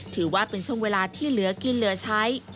ถือว่าเป็นช่วงเวลาที่เหลือกินเหลือใช้